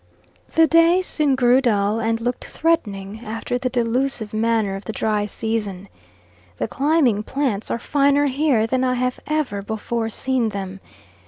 The day soon grew dull, and looked threatening, after the delusive manner of the dry season. The climbing plants are finer here than I have ever before seen them.